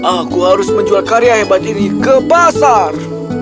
aku harus menjual karya hebat ini ke pasar